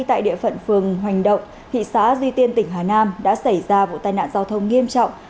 tại địa phận phường hoành động thị xã duy tiên tỉnh hà nam đã xảy ra vụ tai nạn giao thông nghiêm trọng